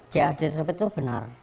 jad tersebut itu benar